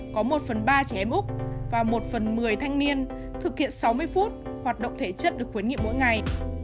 có một phần ba trẻ em úc và một phần một mươi thanh niên thực hiện sáu mươi phút hoạt động thể chất được khuyến nghị mỗi ngày